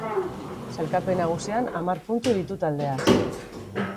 Sailkapen nagusian, hamar puntu ditu taldeak.